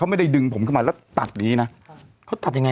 เขาไม่ได้ดึงผมเข้ามาแล้วตัดอย่างนี้นะ